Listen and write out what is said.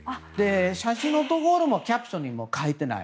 写真のところもキャプションにも書いてない。